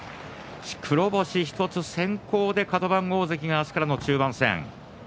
黒星１つ先行でカド番大関が明日からの中盤戦。